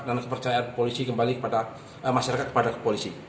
dan kepercayaan polisi kembali kepada masyarakat kepada kepolisi